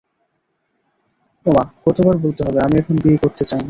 ও মা কতবার বলতে হবে, - আমি এখন বিয়ে করতে চাই না।